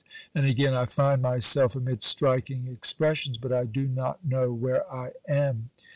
And again, "I find myself amid striking expressions, but I do not know where I am."